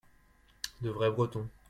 de vrais Bretons.